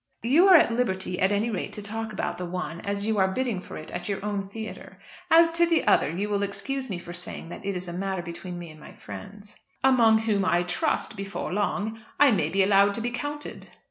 "You are at liberty at any rate to talk about the one, as you are bidding for it at your own theatre. As to the other, you will excuse me for saying that it is a matter between me and my friends." "Among whom I trust before long I may be allowed to be counted."